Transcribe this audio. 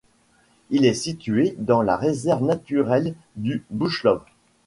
Il est situé dans la réserve naturelle du Buchlov.